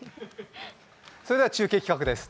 それでは中継企画です。